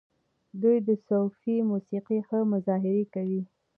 دوی د صوفي موسیقۍ ښه مظاهره کوي.